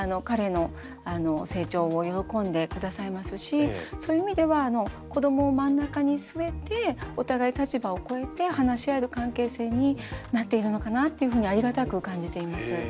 彼の成長を喜んで下さいますしそういう意味では子どもを真ん中に据えてお互い立場を超えて話し合える関係性になっているのかなっていうふうにありがたく感じています。